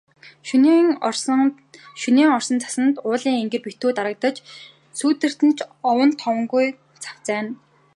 Шөнийн орсон цасанд уулын энгэр битүү дарагдаж, сүүдэртэх ч овон товонгүй цавцайна.